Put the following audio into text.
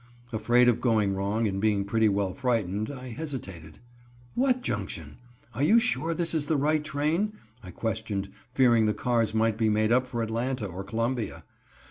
Afraid of going wrong and being pretty well frightened, I hesitated. "What Junction? Are you sure this is the right train?" I questioned, fearing the cars might be made up for Atlanta or Columbia.